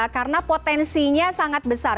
karena potensinya sangat besar